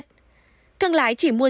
thương lái chỉ mua dưa